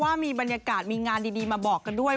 ว่ามีบรรยากาศมีงานดีมาบอกกันด้วย